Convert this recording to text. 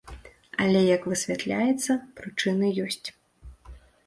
Але як высвятляецца, прычыны ёсць.